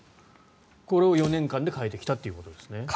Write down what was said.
これを４年間で変えてきたということですね。